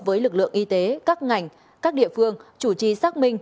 với lực lượng y tế các ngành các địa phương chủ trì xác minh